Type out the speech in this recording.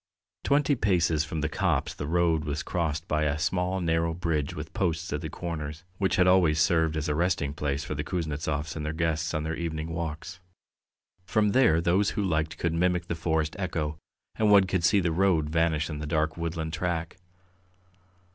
Twenty paces from the copse the road was crossed by a small narrow bridge with posts at the corners, which had always served as a resting place for the Kuznetsovs and their guests on their evening walks. From there those who liked could mimic the forest echo, and one could see the road vanish in the dark woodland track.